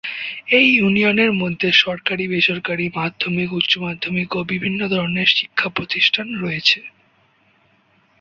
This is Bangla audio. এই ইউনিয়নের মধ্যে সরকারী-বেসরকারী, মাধ্যমিক, উচ্চমাধ্যমিক ও বিভিন্ন ধরনের শিক্ষা প্রতিষ্ঠান রয়েছে।